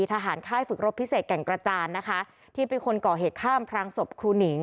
ค่ายฝึกรบพิเศษแก่งกระจานนะคะที่เป็นคนก่อเหตุข้ามพรางศพครูหนิง